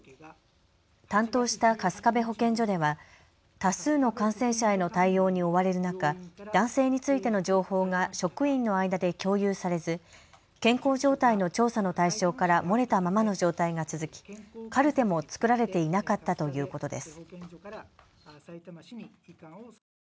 担当した春日部保健所では多数の感染者への対応に追われる中、男性についての情報が職員の間で共有されず健康状態の調査の対象から漏れたままの状態が続きカルテも作られていなかったということです。